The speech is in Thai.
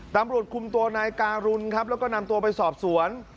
ตำรวจคุมตัวนายการุณครับแล้วก็นำตัวไปสอบสวน